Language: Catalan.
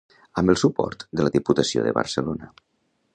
amb el suport de la Diputació de Barcelona